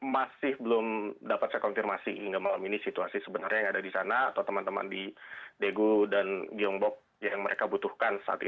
masih belum dapat saya konfirmasi hingga malam ini situasi sebenarnya yang ada di sana atau teman teman di daegu dan gyeongbok yang mereka butuhkan saat ini